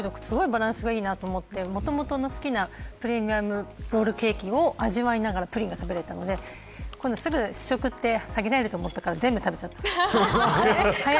だけどすごいバランスいいなと思って、もともと好きなプレミアムロールケーキを味わいながらプリンが食べれたのですぐ試食って、すぐ下げられると思ったから全部食べちゃった。